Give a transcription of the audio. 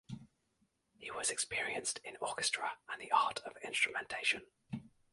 He was experienced in orchestra and the art of instrumentation.